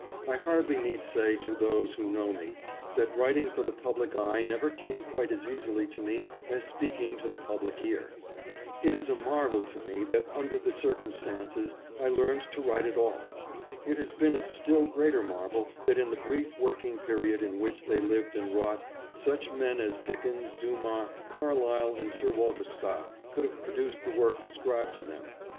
I hardly need say to those who know me, that writing for the public eye never came quite as easily to me as speaking to the public ear. It is a marvel to me that under the circumstances I learned to write at all. It has been a still greater marvel that in the brief working period in which they lived and wrought, such men as Dickens, Dumas, Car lyle and Sir Walter Scott could have produced the works ascribed to them.